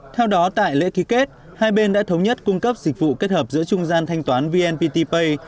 theo đó tại lễ ký kết hai bên đã thống nhất cung cấp dịch vụ kết hợp giữa trung gian thanh toán vnpt pay